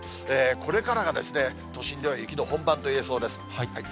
これからが都心では雪の本番と言えそうです。